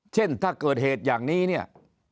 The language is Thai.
เช่นถ้าเกิดเหตุอย่างนี้เนี่ย